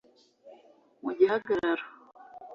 mu gihagararo